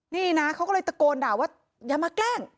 นี่นะเขาก็เลยตะโกนด่าว่าอย่ามาแกล้ง